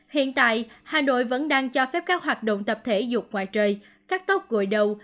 hiện tại hà nội vẫn đang cho phép các hoạt động tập thể dục ngoài trời cắt tóc gội đầu